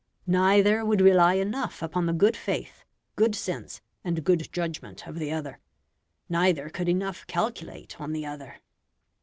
Neither would rely enough upon the good faith, good sense, and good judgment of the other. Neither could enough calculate on the other.